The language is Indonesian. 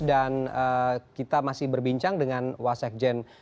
dan kita masih berbincang dengan waskjen